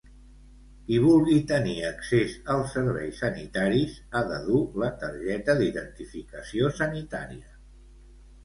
Qui vulgui tenir accés als serveis sanitaris ha de dur la targeta d'identificació sanitària.